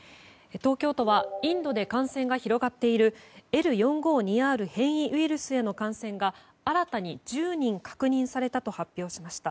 東京都はインドで感染が広がっているＬ４５２Ｒ変異ウイルスへの感染が新たに１０人確認されたと発表しました。